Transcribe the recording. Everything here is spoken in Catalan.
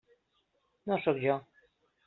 No sóc jo.